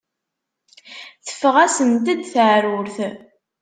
Teffeɣ-asent-d teεrurt.